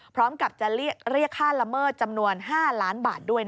พร้อมกับจะเรียกค่าละเมิดจำนวน๕ล้านบาทด้วย